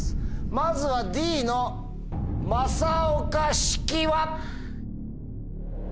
まずはＤの正岡子規は。